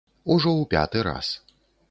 Ужо ў пяты раз.